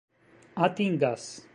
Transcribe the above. atingas